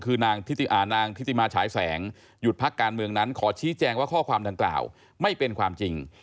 คือนางทิติมาฉายแสงหยุดพักการเมืองนั้นขอชี้แจงว่าข้อความดังกล่าวไม่เป็นความจริง